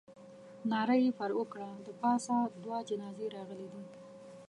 ناره یې پر وکړه. د پاسه دوه جنازې راغلې دي.